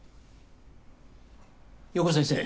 陽子先生